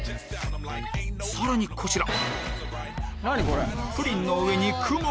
さらにこちら！